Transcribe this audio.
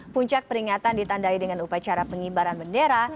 puncak peringatan ditandai dengan upacara pengibaran bendera